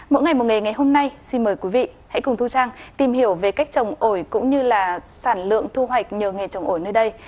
mỗi ngày một nghề ngày hôm nay xin mời quý vị hãy cùng thu trang tìm hiểu về cách trồng ổi cũng như sản lượng thu hoạch nhờ nghề trồng ổi nơi đây